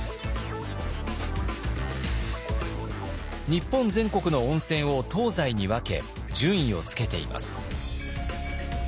日本全国の温泉を東西に分け順位をつけています。